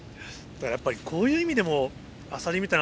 やっぱりこういう意味でも。